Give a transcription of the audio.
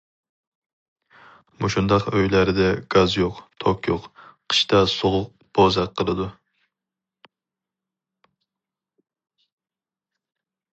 مۇشۇنداق ئۆيلەردە، گاز يوق، توك يوق، قىشتا سوغۇق بوزەك قىلىدۇ.